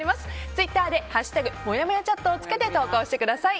ツイッターで「＃もやもやチャット」をつけて投稿してください。